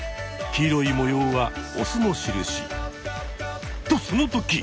黄色い模様はオスの印。とそのとき！